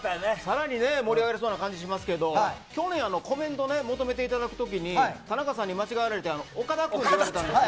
盛り上がりそうな感じしますけど去年、コメントを求めていただくとき田中さんに間違われて岡田君って言われたの。